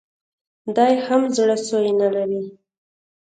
دی هم زړه سوی نه لري